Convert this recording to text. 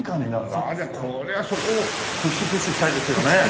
じゃあこれはそこをプッシュプッシュしたいですよね。